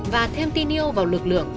và thêm tin yêu vào lực lượng